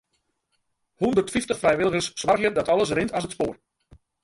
Hûndertfyftich frijwilligers soargje dat alles rint as it spoar.